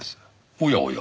おやおや。